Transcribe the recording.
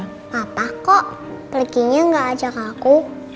papa kok perginya gak ajak aku